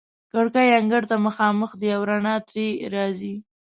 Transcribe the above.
کړکۍ انګړ ته مخامخ دي او رڼا ترې راځي.